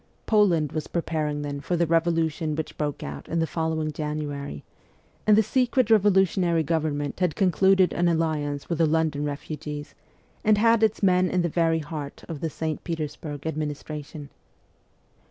Poland was preparing then for the revolution which broke out in the following January, and the secret revolutionary government had concluded an alliance .with the London refugees, and had its men in the very heart of the St. Petersburg administration.